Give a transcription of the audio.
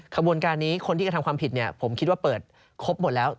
ขบวนการนี้คนที่กระทำความผิดผมคิดว่าเปิดครบหมดแล้ว